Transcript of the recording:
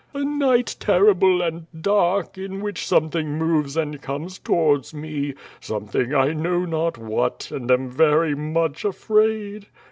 "A night terrible and dark, in wliich something moves and comes towards me. Something 1 know not what, and am very much afraid."